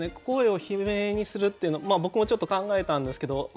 声を悲鳴にするっていうの僕もちょっと考えたんですけど